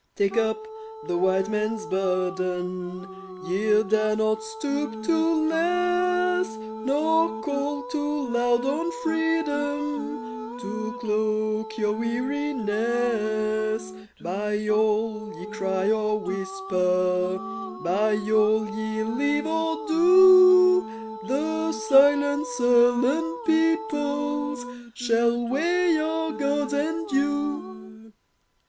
Take up the White Man's burden Ye dare not stoop to less Nor call too loud on Freedom To cloak your weariness; By all ye cry or whisper, By all ye leave or do, The silent, sullen peoples Shall weigh your Gods and you.